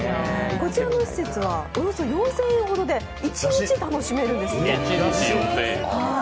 こちらの施設は、およそ４０００円ほどで一日楽しめるんですって。